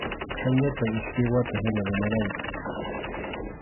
Khaynatam iskay wata hina rimarqanku.